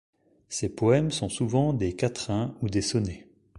Ses poèmes sont souvent des quatrains ou des sonnets.